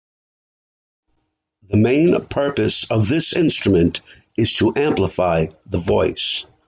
The main purpose of this instrument is to amplify the voice.